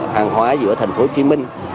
hàng hóa giữa thành phố hồ chí minh